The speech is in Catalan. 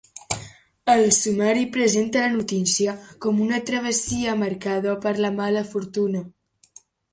El sumari presenta la notícia com una travessia marcada per la mala fortuna.